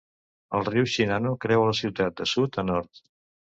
El riu Shinano creua la ciutat de sud a nord.